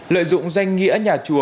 lợi dụng danh nghĩa nhà chùa